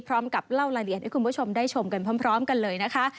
พร้อมกับเล่ารายละเอียดให้คุณผู้ชมได้ชมกันพร้อมกันเลยนะคะ